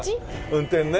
運転ね。